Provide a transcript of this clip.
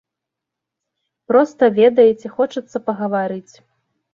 Проста, ведаеце, хочацца пагаварыць.